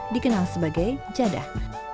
dikenal sebagai jadah